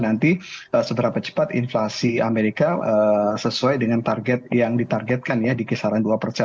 nanti seberapa cepat inflasi amerika sesuai dengan target yang ditargetkan ya di kisaran dua persen